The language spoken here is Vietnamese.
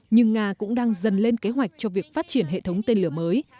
nhưng nga cũng đang dần lên kế hoạch cho việc phát triển hệ thống tên lửa mới